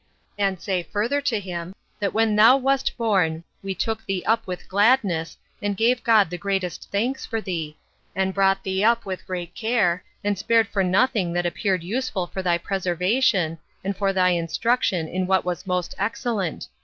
And say further to him, "That when thou wast born, we took thee up with gladness, and gave God the greatest thanks for thee, and brought time up with great care, and spared for nothing that appeared useful for thy preservation, and for thy instruction in what was most excellent.